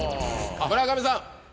村上さん。